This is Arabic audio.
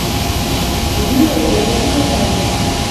مدير العيادة هو سامي.